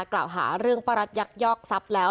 กล่าวหาเรื่องประรัสยักยอกซับแล้ว